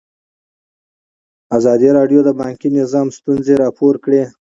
ازادي راډیو د بانکي نظام ستونزې راپور کړي.